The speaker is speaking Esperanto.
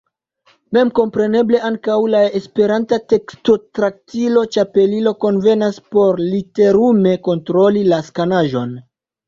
Memkompreneble ankaŭ la esperanta tekstotraktilo Ĉapelilo konvenas por literume kontroli la skanaĵon.